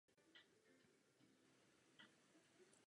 Nelze rovněž podceňovat hospodářský význam této věci.